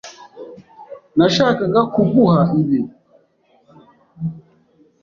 Nashakaga kuguha ibi.